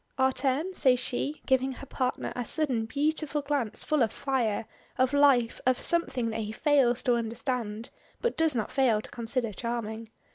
"Our turn?" says she, giving her partner a sudden beautiful glance full of fire of life of something that he fails to understand, but does not fail to consider charming.